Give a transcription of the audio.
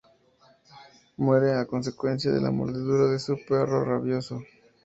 Muere a consecuencia de la mordedura de su perro rabioso.